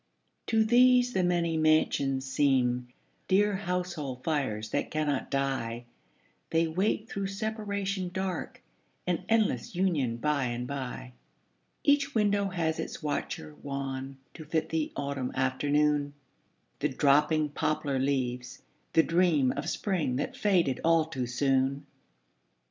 To these the many mansions seem Dear household fires that cannot die; They wait through separation dark An endless union by and by. Each window has its watcher wan To fit the autumn afternoon, The dropping poplar leaves, the dream Of spring that faded all too soon.